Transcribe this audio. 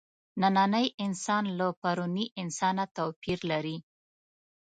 نننی انسان له پروني انسانه توپیر لري.